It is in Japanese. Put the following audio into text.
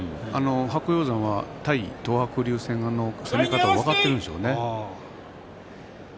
白鷹山は対、東白龍戦攻め方が分かっているんでしょうね。